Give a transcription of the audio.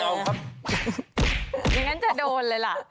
อย่างนั้นจะโดนเลยล่ะ